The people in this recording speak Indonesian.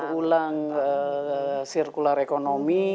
daur ulang sirkular ekonomi